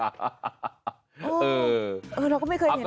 อือเออเราก็ไม่เคยเห็นน้อง